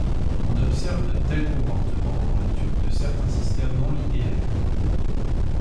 On observe de tels comportements dans l'étude de certains systèmes non linéaires.